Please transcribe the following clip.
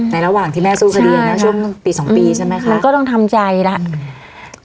ระหว่างที่แม่สู้คดีนะช่วงปีสองปีใช่ไหมคะมันก็ต้องทำใจแล้ว